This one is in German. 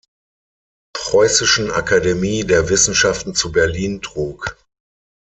Preußischen Akademie der Wissenschaften zu Berlin trug.